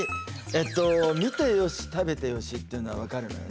えっと見て良し食べて良しっていうのは分かるのよね。